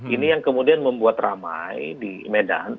ini yang kemudian membuat ramai di medan